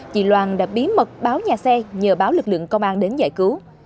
chị loan đã bí mật báo nhà xe nhờ báo lực lượng công an đến giải cứu